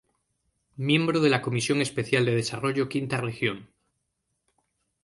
Miembro de la Comisión Especial de Desarrollo V Región.